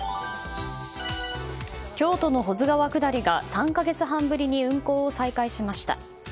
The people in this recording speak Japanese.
京都の保津川下りが３か月半ぶりに運航を再開しました。